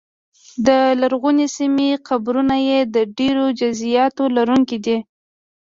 د لرغونې سیمې قبرونه یې د ډېرو جزییاتو لرونکي دي